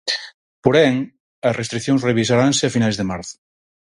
Porén, as restricións revisaranse a finais de marzo.